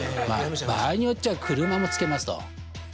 場合によっちゃ車もつけますと。